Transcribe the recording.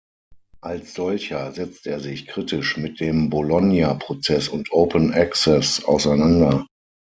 Als solcher setzt er sich kritisch mit dem Bologna-Prozess und Open Access auseinander.